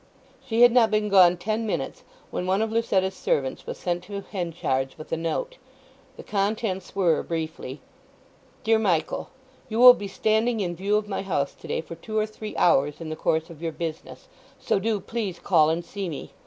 She had not been gone ten minutes when one of Lucetta's servants was sent to Henchard's with a note. The contents were briefly:— DEAR MICHAEL,—You will be standing in view of my house to day for two or three hours in the course of your business, so do please call and see me.